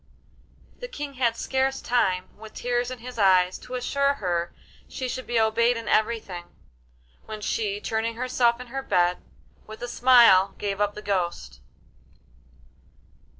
The King had scarce time, with tears in his eyes, to assure her she should be obeyed in everything, when she, turning herself in her bed, with a smile gave up the ghost.